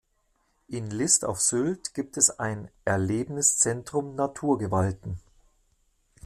In List auf Sylt gibt es ein „Erlebniszentrum Naturgewalten“.